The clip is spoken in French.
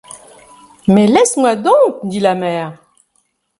Mais laisse-moi donc! dit la mère.